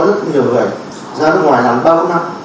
rất nhiều người ra nước ngoài làm bao nhiêu năm